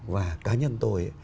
và cá nhân tôi